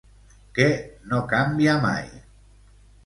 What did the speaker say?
Què no canvia mai?